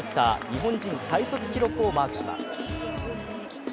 日本人最速記録をマークします。